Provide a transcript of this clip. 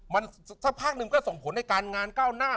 มันสักพักหนึ่งก็ส่งผลให้การงานก้าวหน้า